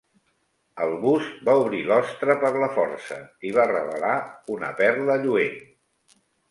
El bus va obrir l'ostra per la força i va revelar una perla lluent.